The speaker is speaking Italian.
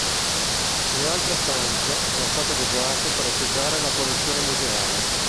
Le altre stanze sono state adeguate per ospitare la collezione museale.